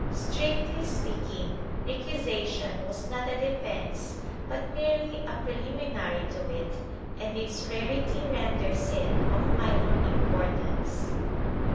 ^ Strictly speaking, recusation was not a defence but merely a preliminary to it, and its rarity renders it of minor importance.